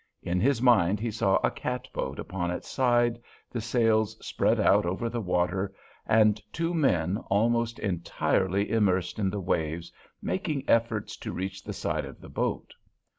In his mind he saw a cat boat upon its side, the sails spread out over the water, and two men, almost entirely immersed in the waves, making efforts to reach the side of the boat.